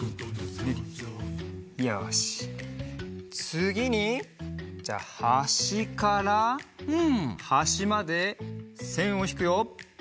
つぎにじゃあはしからはしまでせんをひくよ。